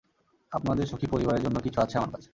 আপনাদের সুখী পরিবারের জন্য কিছু আছে আমার কাছে।